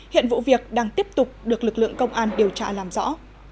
hiện vụ việc đang tiếp tục được lực lượng công an điều trả làm rõ